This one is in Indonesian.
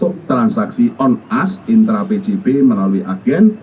terdapat transaksi on ask intrapgp melalui agen